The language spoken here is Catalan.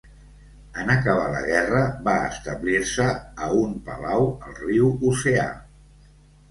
En acabar la guerra va establir-se a un palau al riu Oceà.